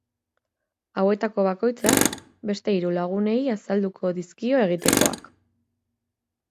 Hauetako bakoitzak beste hiru lagunei azalduko dizkio egitekoak.